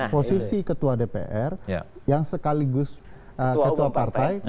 posisi ketua dpr yang sekaligus ketua partai